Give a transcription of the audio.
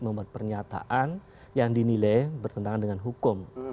membuat pernyataan yang dinilai bertentangan dengan hukum